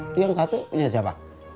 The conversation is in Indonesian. itu yang satu punya siapa